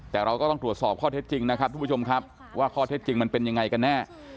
แต่เราก็ต้องตรวจสอบข้อเท็จจริงนะครับทุกผู้ชมครับว่าข้อเท็จจริงมันเป็นยังไงกันแน่